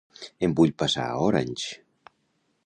Em vull passar a Orange.